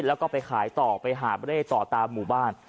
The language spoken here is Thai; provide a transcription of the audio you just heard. แล้วก็ไปขายต่อไปหาบเร่ต่อตามหมู่บ้าน